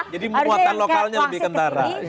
jadi memuatkan lokalnya lebih kendara